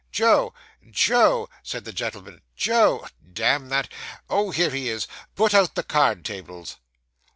'Joe, Joe!' said the gentleman; 'Joe damn that oh, here he is; put out the card tables.